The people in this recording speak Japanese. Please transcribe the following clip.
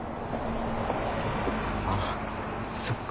あっそっか。